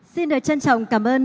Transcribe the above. xin trân trọng cảm ơn